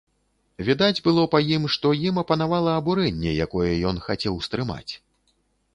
Відаць было па ім, што ім апанавала абурэнне, якое ён хацеў стрымаць.